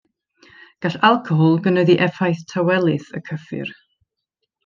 Gall alcohol gynyddu effaith tawelydd y cyffur.